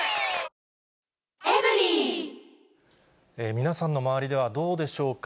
皆さんの周りではどうでしょうか。